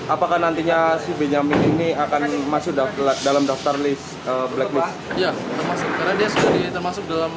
apakah nantinya si benjamin ini akan masuk dalam daftar list blacklist